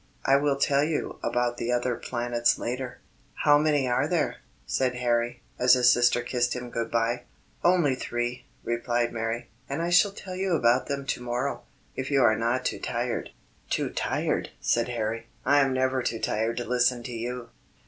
I will tell you about the other planets later." "How many are there?" said Harry, as his sister kissed him good by. "Only three," replied Mary; "and I shall tell you about them to morrow, if you are not too tired." "Too tired!" said Harry. "I am never too tired to listen to you."